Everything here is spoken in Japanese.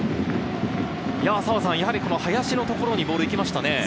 やはり林のところにボールが行きましたね。